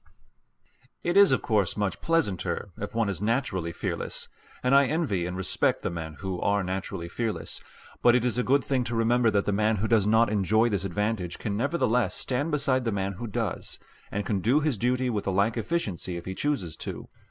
It is of course much pleasanter if one is naturally fearless, and I envy and respect the men who are naturally fearless. But it is a good thing to remember that the man who does not enjoy this advantage can nevertheless stand beside the man who does, and can do his duty with the like efficiency, if he chooses to.